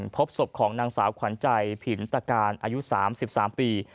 พบศพของนางสาวขวัญใจผินตะการอายุ๓๓ปี